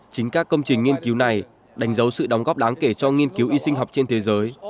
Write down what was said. chính các công trình nghiên cứu này đánh dấu sự đóng góp đáng kể cho nghiên cứu y sinh học trên thế giới